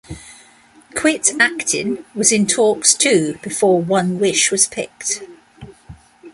"Quit Actin" was in talks, too, before "One Wish" was picked.